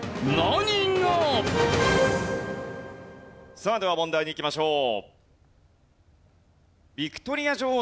さあでは問題にいきましょう。